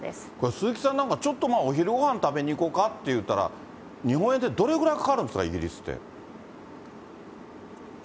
鈴木さんなんか、ちょっとお昼ごはん食べに行こうかっていったら、日本円でどれぐらいかかるんですか、イギリスって。